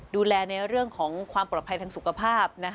ดูแลในเรื่องของความปลอดภัยทางสุขภาพ